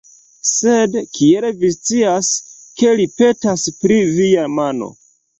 Sed, kiel vi scias, ke li petas pri via mano?